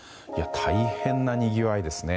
大変なにぎわいですね。